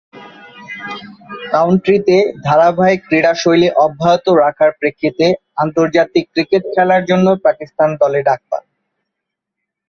কাউন্টিতে ধারাবাহিক ক্রীড়াশৈলী অব্যাহত রাখার প্রেক্ষিতে আন্তর্জাতিক ক্রিকেট খেলার জন্য পাকিস্তান দলে ডাক পান।